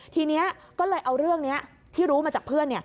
ทีนี้ก็เลยเอาเรื่องนี้ที่รู้มาจากเพื่อน